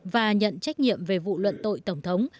và nhận trách nhiệm về vụ luận tội tổng thống